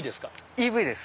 ＥＶです。